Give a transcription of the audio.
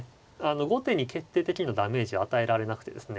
後手に決定的なダメージを与えられなくてですね